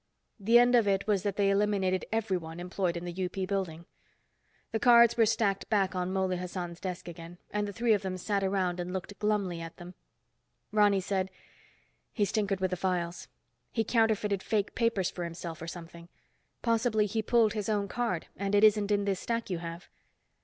The end of it was that they eliminated everyone employed in the UP building. The cards were stacked back on Mouley Hassan's desk again, and the three of them sat around and looked glumly at them. Ronny said, "He's tinkered with the files. He counterfeited fake papers for himself, or something. Possibly he's pulled his own card and it isn't in this stack you have."